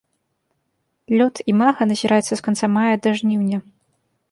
Лёт імага назіраецца з канца мая да жніўня.